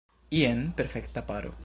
Jen perfekta paro!